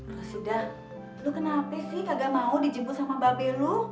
rasida lu kenapa sih kagak mau dijemput sama babi lu